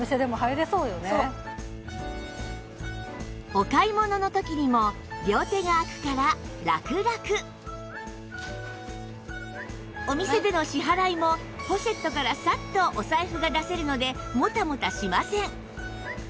お買い物の時にもお店での支払いもポシェットからサッとお財布が出せるのでモタモタしません